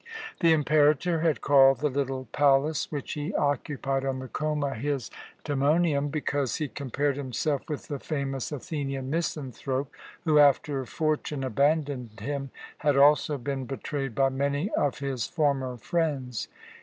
The Imperator had called the little palace which he occupied on the Choma his Timonium, because he compared himself with the famous Athenian misanthrope who, after fortune abandoned him, had also been betrayed by many of his former friends.